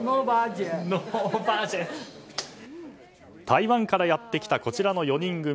台湾からやってきたこちらの４人組。